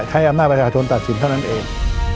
จะต้องตัดสินธนเอง